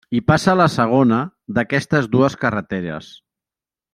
Hi passa la segona, d'aquestes dues carreteres.